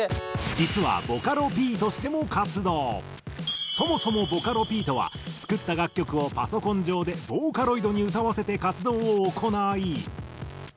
実はそもそもボカロＰとは作った楽曲をパソコン上でボーカロイドに歌わせて活動を行い。